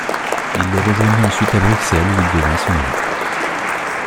Il le rejoignit ensuite à Bruxelles où il devint son élève.